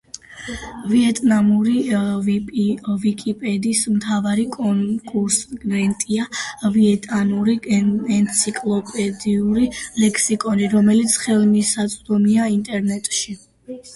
ვიეტნამური ვიკიპედიის მთავარი კონკურენტია ვიეტნამური ენციკლოპედიური ლექსიკონი, რომელიც ხელმისაწვდომია ინტერნეტში.